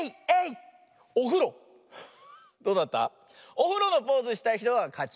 おふろのポーズしたひとがかち。